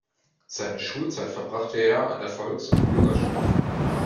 Seine Schulzeit verbrachte er an der Volks- und Bürgerschule.